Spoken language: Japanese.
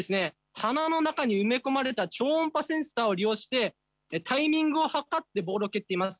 鼻の中に埋め込まれた超音波センサーを利用してタイミングを計ってボールを蹴っています。